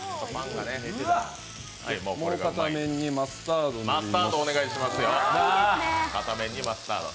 もう片面にマスタード、塗ります。